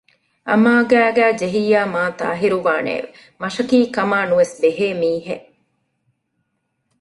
އަމާ ގައިގައި ޖެހިއްޔާ މާތާހިރުވާނެއެވެ! މަށަކީ ކަމާ ނުވެސް ބެހޭ މީހެއް